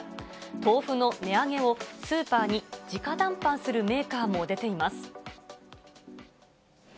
豆腐の値上げを、スーパーにじか談判するメーカーも出ています。